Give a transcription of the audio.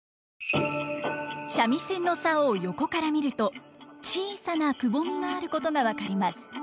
三味線の棹を横から見ると小さなくぼみがあることが分かります。